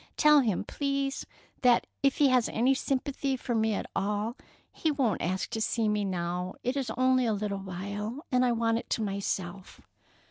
Tell him, please, that if he has any sympathy for me at all, he won't ask to see me now. It is only a little while, and I want it to myself."